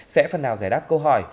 sẽ phần nào giải đáp câu hỏi